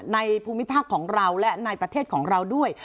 ภูมิภาคของเราและในประเทศของเราด้วย